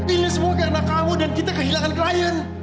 ini semua karena kamu dan kita kehilangan klien